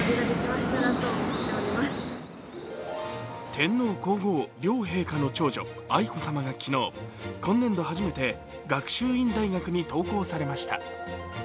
天皇皇后両陛下の長女・愛子さまが昨日、今年度初めて学習院大学に登校されました。